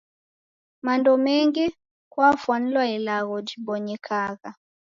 Mando mengi kwafwanilwa ilagho jibonyekagha.